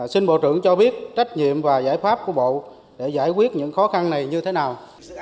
xin bộ trưởng cho biết trách nhiệm và giải pháp của bộ để giải quyết những khó khăn này như thế nào